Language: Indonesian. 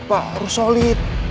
ipah harus solid